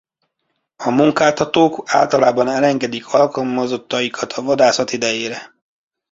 A munkáltatók általában elengedik alkalmazottaikat a vadászat idejére.